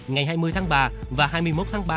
ngày hai mươi tháng ba và hai mươi một tháng ba